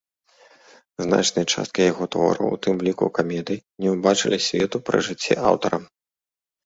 Значная частка яго твораў, у тым ліку камедыі, не ўбачылі свету пры жыцці аўтара.